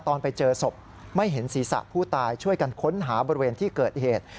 ตอนไปเจอศพไม่เห็นศีรษะผู้ตายช่วยกันค้นหาบริเวณที่เกิดเหตุ